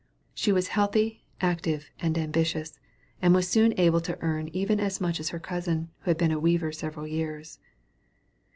She was healthy, active, and ambitious, and was soon able to earn even as much as her cousin, who had been a weaver several years.